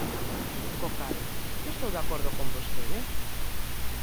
Co cal, ¿que estou de acordo con vostede?